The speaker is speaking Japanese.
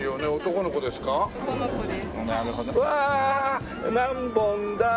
わあ何本だ？